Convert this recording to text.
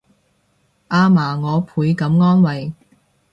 阿嫲我倍感安慰